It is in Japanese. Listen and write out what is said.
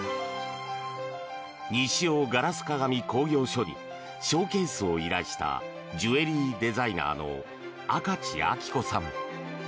西尾硝子鏡工業所にショーケースを依頼したジュエリーデザイナーの赤地明子さん。